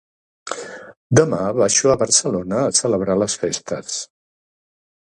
Demà baixo a Barcelona a celebrar les festes.